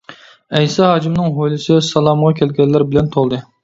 ئەيسا ھاجىمنىڭ ھويلىسى سالامغا كەلگەنلەر بىلەن تولدى.